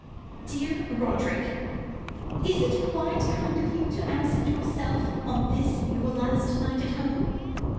"Dear Roderick, Is it quite kind of you to absent yourself on this your last night at home?